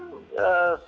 seperti kata amin